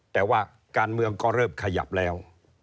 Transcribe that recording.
แต่ว่าการเมืองก็เริ่มขยับแล้ว